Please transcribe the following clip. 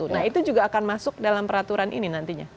nah itu juga akan masuk dalam peraturan ini nantinya